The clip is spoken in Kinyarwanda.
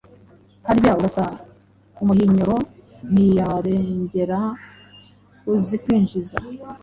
harya urasa umuhinyoro ntiyarengera uzi kwinjiza?”